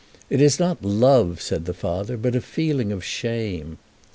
"It is not love," said the father, "but a feeling of shame."